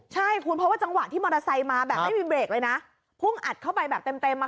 ใช่คุณเพราะว่าจังหวะที่มอเตอร์ไซค์มาแบบไม่มีเบรกเลยนะพุ่งอัดเข้าไปแบบเต็มอ่ะ